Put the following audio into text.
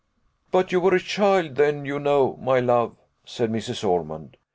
"But you were a child then, you know, my love," said Mrs. Ormond.